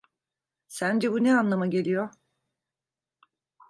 Sence bu ne anlama geliyor?